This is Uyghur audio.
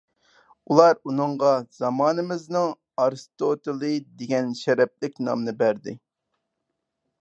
ئۇلار ئۇنىڭغا «زامانىمىزنىڭ ئارستوتىلى» دېگەن شەرەپلىك نامنى بەردى.